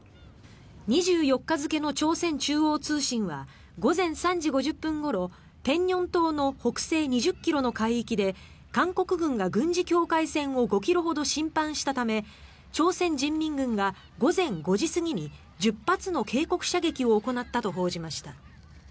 ２４日付の朝鮮中央通信は午前３時５０分ごろペンニョン島の北西２０ｋｍの海域で韓国軍が軍事境界線を５ｋｍほど侵犯したたため朝鮮人民軍が午前５時過ぎに１０発の警告射撃を行ったと報じました。